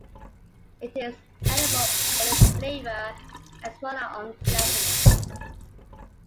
It is edible but its flavor and small are unpleasant.